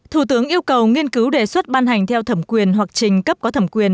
thủ tướng yêu cầu nghiên cứu đề xuất ban hành theo thẩm quyền hoặc trình cấp có thẩm quyền